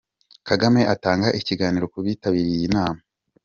Kagame atanga ikiganiro ku bitabiriye iyi nama.